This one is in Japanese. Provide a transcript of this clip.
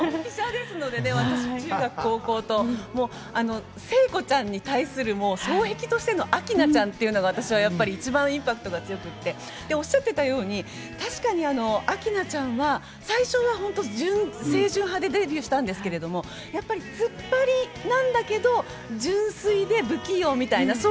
私、中学高校と、もう聖子ちゃんに対する双璧としての明菜ちゃんというのが私は一番インパクトが強くておっしゃってたように、確かに明菜ちゃんは、最初は本当清純派でデビューしたんですけど、やっぱりつっぱりな